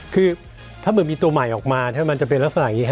คือถ้ามันมีตัวใหม่ออกมาถ้ามันจะเป็นลักษณะอย่างนี้